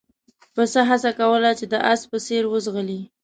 پسه هڅه کوله چې د اس په څېر وځغلي.